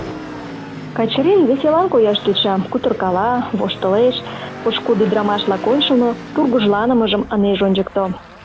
Качырин веселан кояш тӧча, кутыркала, воштылеш, пошкудо ӱдрамаш-влак ончылно тургыжланымыжым ынеж ончыкто.